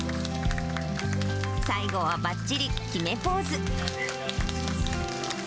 最後はばっちり決めポーズ。